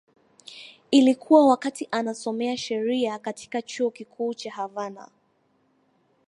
Ilikuwa wakati anasomea sheria katika Chuo Kikuu cha Havana